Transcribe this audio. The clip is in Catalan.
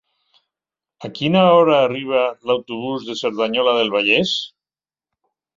A quina hora arriba l'autobús de Cerdanyola del Vallès?